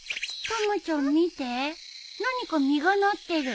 たまちゃん見て何か実がなってる。